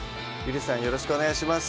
よろしくお願いします